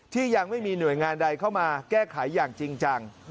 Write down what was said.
ยังไม่มีหน่วยงานใดเข้ามาแก้ไขอย่างจริงจัง